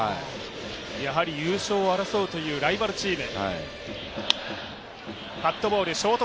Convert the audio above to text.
やはり優勝を争うというライバルチーム。